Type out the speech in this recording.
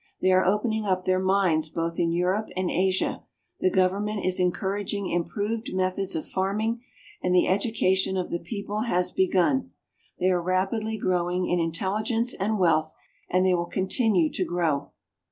They are opening up their mines both in Europe and Asia, the government is encouraging improved methods of farming, and the education of the people has begun. They are rapidly growing in intelligence and wealth, and they will continue to grow.